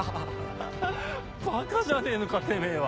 ばかじゃねえのかてめぇは。